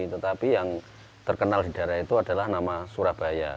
tetapi yang terkenal di daerah itu adalah nama surabaya